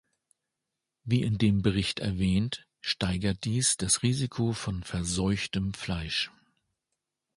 Wie in dem Bericht erwähnt, steigert dies das Risiko von verseuchtem Fleisch.